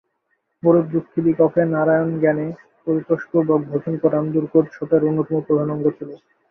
গরীব-দুঃখীদিগকে নারায়ণজ্ঞানে পরিতোষপূর্বক ভোজন করান দুর্গোৎসবের অন্যতম প্রধান অঙ্গ ছিল।